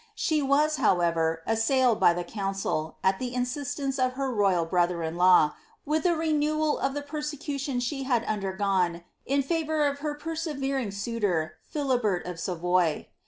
She vas, however, assailed by the council, at the instance of her royal bro ther in law, with a renewal of the persecution she had undergone in frvour of her persevering suitor, Philibert of Savoy.